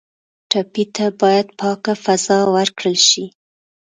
ټپي ته باید پاکه فضا ورکړل شي.